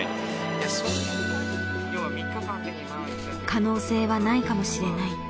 可能性はないかもしれない。